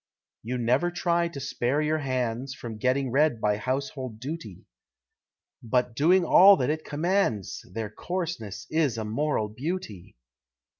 You never try to spare your hands From getting red by household duty, But doing all that it commands, Their coarseness is a moral beauty.